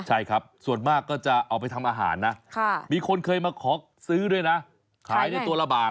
ใช่ครับส่วนมากก็จะเอาไปทำอาหารนะมีคนเคยมาขอซื้อด้วยนะขายได้ตัวละบาท